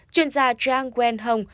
chuyên gia zhang wenhong